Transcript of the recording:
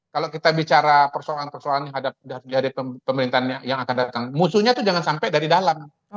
kalau kita bicara persoalan persoalan yang di hari pemerintahan yang akan datang musuhnya itu jangan sampai dari dalam